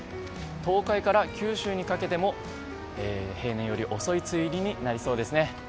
東海から九州にかけても平年より遅い梅雨入りになりそうです。